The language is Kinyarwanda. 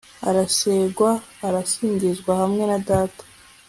arasengwa arasingizwa hamwe na data